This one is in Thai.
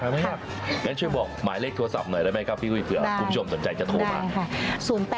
งั้นช่วยบอกหมายเลขโทรศัพท์หน่อยได้ไหมครับพี่หุ้ยเผื่อคุณผู้ชมสนใจจะโทรมา